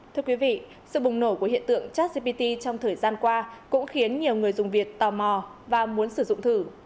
thưa quý vị sự bùng nổ của hiện tượng chatgpt trong thời gian qua cũng khiến nhiều người dùng việt tò mò và muốn sử dụng thử